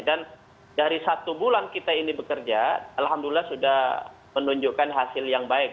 dan dari satu bulan kita ini bekerja alhamdulillah sudah menunjukkan hasil yang baik